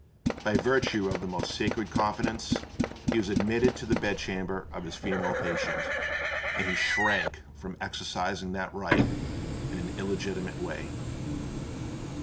By virtue of the most sacred confidence he was admitted to the bed chamber of his female patient; and he shrank from exercising that right in an illegitimate way.